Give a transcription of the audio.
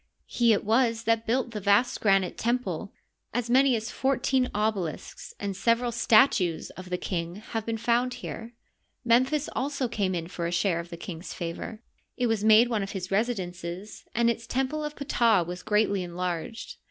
He it was that built the vast granite temple. As many as fourteen obelisks and several statues Digitized by VjOOQIC THE NINETEENTH DYNASTY. 93 of the king have been found here. Memphis also came in for a share of the king's favor ; it was made one of his residences, and its temple of Ptah was greatly enlarged.